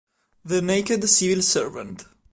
The Naked Civil Servant